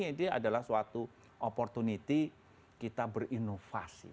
ini adalah suatu opportunity kita berinovasi